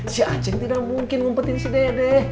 si aceng tidak mungkin ngumpetin si dede